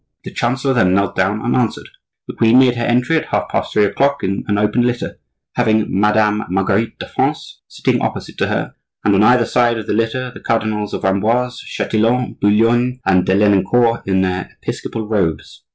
The chancellor then knelt down and answered. The queen made her entry at half past three o'clock in an open litter, having Madame Marguerite de France sitting opposite to her, and on either side of the litter the Cardinals of Amboise, Chatillon, Boulogne, and de Lenoncourt in their episcopal robes.